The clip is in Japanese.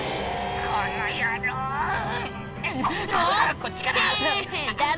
こっちから！